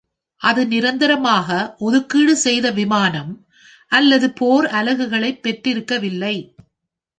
அது நிரந்தரமாக ஒதுக்கீடு செய்த விமானம் அல்லது போர் அலகுகளைப் பெற்றிருக்கவில்லை.